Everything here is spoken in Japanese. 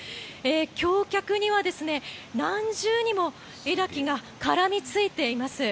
橋脚には何重にも枝木が絡みついています。